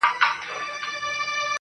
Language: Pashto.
د دود وهلي ښار سپېڅلي خلگ لا ژونـدي دي.